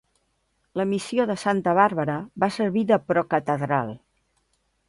La Missió de Santa Bàrbara va servir de procatedral.